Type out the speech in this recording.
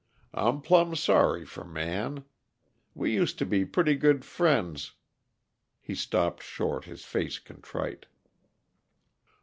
I'm plumb sorry for Man. We used to be pretty good friends " He stopped short, his face contrite.